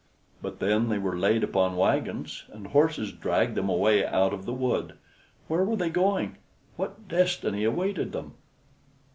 But then they were laid upon wagons, and horses dragged them away out of the wood. Where were they going? What destiny awaited them?